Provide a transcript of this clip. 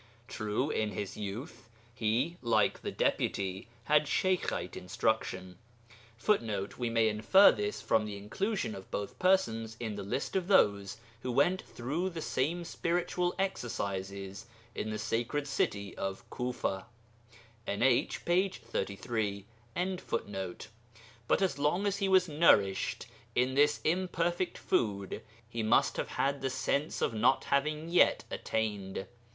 True, in his youth, he (like 'the Deputy') had Sheykhite instruction, [Footnote: We may infer this from the inclusion of both persons in the list of those who went through the same spiritual exercises in the sacred city of Kufa (NH, p. 33).] but as long as he was nourished on this imperfect food, he must have had the sense of not having yet 'attained.'